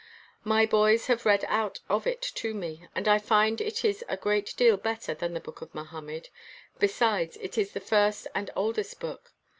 My boys have read out of it to me, and I find it is a great deal better than the book of Mohammed, besides it is the first and oldest book.